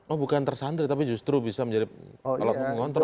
oh bukan tersandra tapi justru bisa menjadi alat mengontrol